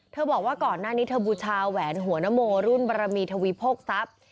บอกว่าก่อนหน้านี้เธอบูชาแหวนหัวนโมรุ่นบรมีทวีโภคทรัพย์